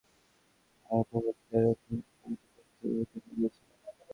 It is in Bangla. আর পরবর্তীতে এরূপ নিয়ম প্রকৃত পক্ষে রহিত হয়ে গিয়েছিল।